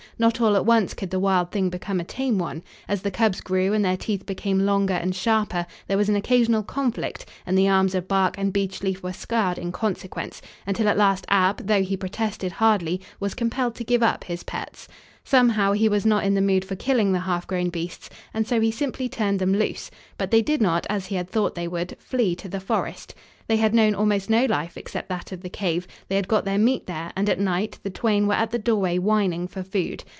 Not all at once could the wild thing become a tame one. As the cubs grew and their teeth became longer and sharper, there was an occasional conflict and the arms of Bark and Beech Leaf were scarred in consequence, until at last Ab, though he protested hardly, was compelled to give up his pets. Somehow, he was not in the mood for killing the half grown beasts, and so he simply turned them loose, but they did not, as he had thought they would, flee to the forest. They had known almost no life except that of the cave, they had got their meat there and, at night, the twain were at the doorway whining for food.